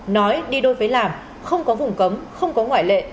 nói đi đôi với làm không có vùng cấm không có ngoại lệ